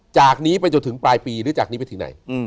จากนี้ไปจนถึงปลายปีหรือจนถึงที่ไหน